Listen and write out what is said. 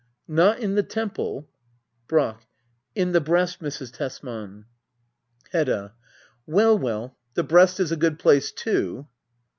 Not in the temple ? Brack. In the breast^ Mrs. Tesman. Hedda. Well, well — the breast is a good place^ too.